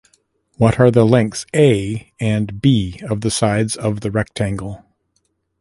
What are the lengths "a" and "b" of the sides of the rectangle?